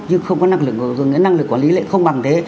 nhưng không có năng lực năng lực quản lý lại không bằng thế